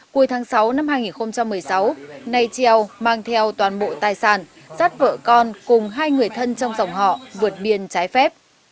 cuối tháng sáu năm hai nghìn một mươi sáu nay treo mang theo toàn bộ tài sản sát vợ con cùng hai người thân trong dòng họ vượt biên trái phép